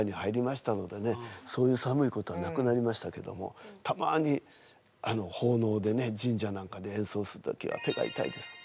そういう寒いことはなくなりましたけどもたまにほうのうでね神社なんかで演奏する時は手が痛いです。